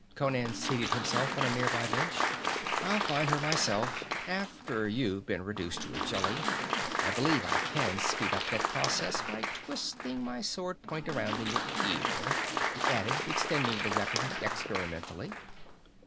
Conan seated himself on a near by bench. "I'll find her myself, after you've been reduced to a jelly. I believe I can speed up that process by twisting my sword point around in your ear," he added, extending the weapon experimentally.